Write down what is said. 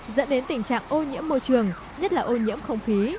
dẫn đến tình trạng ô nhiễm môi trường nhất là ô nhiễm không khí